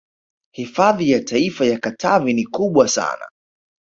Hifadhi ya Taifa ya Katavi ni kubwa sana